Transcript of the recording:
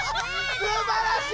すばらしい！